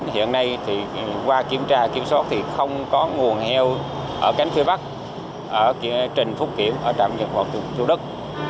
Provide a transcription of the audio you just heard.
hiện nay qua kiểm tra kiểm soát thì không có nguồn heo ở cánh phía bắc trình phúc kiểm ở trạm dịch vật thủ đức